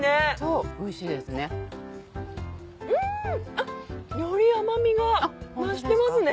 あっより甘味が増してますね。